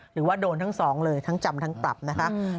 หรือว่าโดนทั้งสองเลยทั้งจำทั้งปรับนะคะ